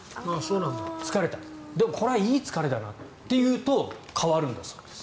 疲れたでもこれはいい疲れだなと言うと変わるんだそうです。